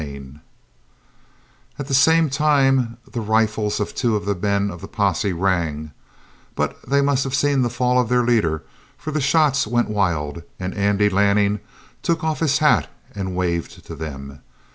CHAPTER 9 At the same time the rifles of the two men of the posse rang, but they must have seen the fall of their leader, for the shots went wild, and Andy Lanning took off his hat and waved to them.